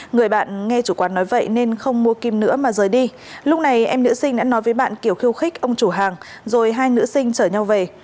người bạn nghe chủ quán nói vậy nên không mua kim nữa mà rời đi lúc này em nữ sinh đã nói với bạn kiểu khiêu khích ông chủ hàng rồi hai nữ sinh chở nhau về